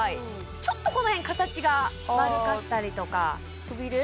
ちょっとこの辺形が悪かったりとかくびれ？